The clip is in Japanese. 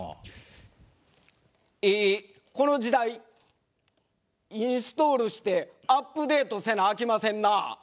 えーこの時代インストールしてアップデートせなあきませんな！